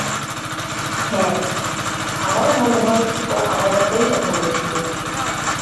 হ্যাঁ, আমারও মনে হয় ও আমার ব্যাপারেই কথা বলছিল।